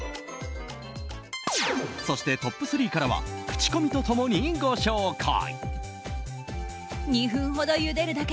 そしてトップ３からは口コミと共にご紹介。